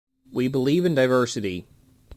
We believe in diversity.